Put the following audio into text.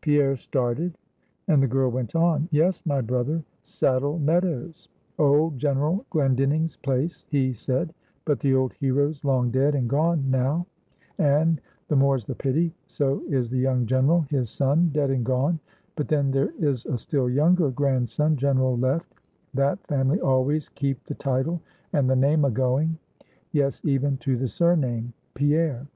Pierre started, and the girl went on: "Yes, my brother, Saddle Meadows; 'old General Glendinning's place,' he said; 'but the old hero's long dead and gone now; and the more's the pity so is the young General, his son, dead and gone; but then there is a still younger grandson General left; that family always keep the title and the name a going; yes, even to the surname, Pierre.